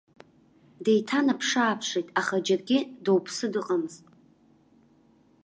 Деиҭанаԥшы-ааԥшит, аха џьаргьы доуԥсы дыҟамызт.